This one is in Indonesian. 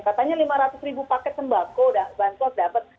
katanya lima ratus ribu paket sembako bahan sos dapat